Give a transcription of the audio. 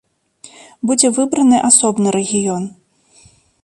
Будзе выбраны асобны рэгіён.